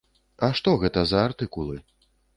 А што гэта за артыкулы?